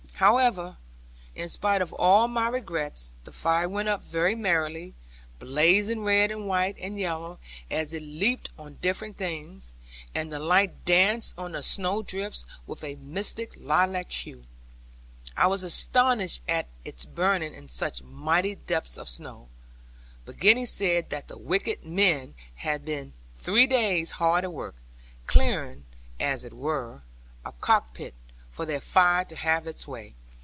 However, in spite of all my regrets, the fire went up very merrily, blazing red and white and yellow, as it leaped on different things. And the light danced on the snow drifts with a misty lilac hue. I was astonished at its burning in such mighty depths of snow; but Gwenny said that the wicked men had been three days hard at work, clearing, as it were, a cock pit, for their fire to have its way.